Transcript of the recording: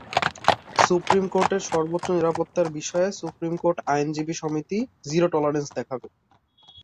Supreme কোর্টের সর্বোচ্চ নিরাপত্তার বিষয়ে সুপ্রিম কোর্ট আইনজীবী সমিতি জিরো টলারেন্স দেখাবে।